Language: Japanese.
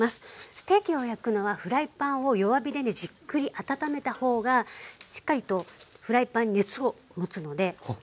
ステーキを焼くのはフライパンを弱火でねじっくり温めた方がしっかりとフライパンに熱を持つのでおすすめです。